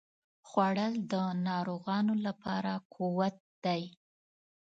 خوړل د ناروغانو لپاره قوت دی